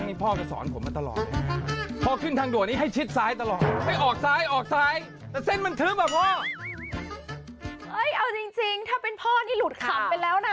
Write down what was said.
เอาจริงถ้าเป็นพ่อนี่หลุดขำไปแล้วนะ